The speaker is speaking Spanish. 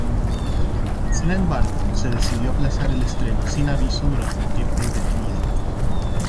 Sin embargo, se decidió aplazar el estreno sin aviso durante un tiempo indefinido.